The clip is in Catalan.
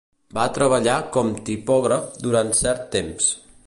Va treballar com tipògraf durant cert temps.